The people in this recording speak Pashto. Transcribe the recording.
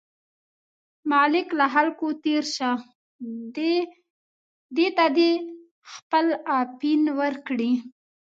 ملکه له خلکو تېر شه، دې ته دې خپل اپین ورکړي.